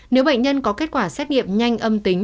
nếu bệnh nhân có kết quả xét nghiệm nhanh âm tính